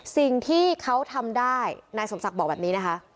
สิ่งที่เขาทำได้นายสมศักดิ์บอกแบบนี้นะคะ